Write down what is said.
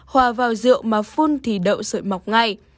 hòa vào rượu mà phun thì đậu sợi mọc ngay